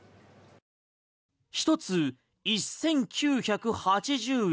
１つ１９８０円。